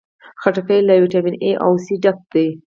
خټکی له ویټامین A او C ډکه ده.